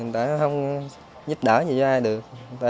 không giúp đỡ gì cho ai được